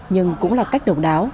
nhưng cũng là cách độc đáo